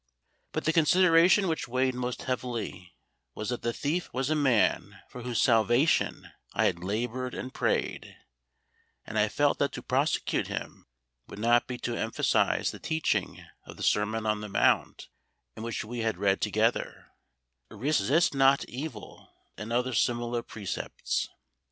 But the consideration which weighed most heavily was that the thief was a man for whose salvation I had laboured and prayed; and I felt that to prosecute him would not be to emphasise the teaching of the Sermon on the Mount, in which we had read together, "Resist not evil," and other similar precepts.